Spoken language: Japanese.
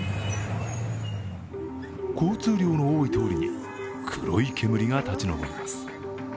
交通量の多い通りに黒い煙が立ち上ります。